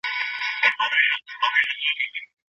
که تعلیمي ویډیو وي نو پوهه نه کمیږي.